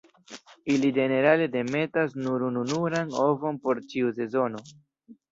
Ili ĝenerale demetas nur ununuran ovon por ĉiu sezono.